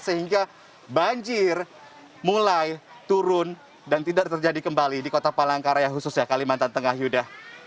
sehingga banjir mulai turun dan tidak terjadi kembali di kota palangkaraya khususnya kalimantan tengah yuda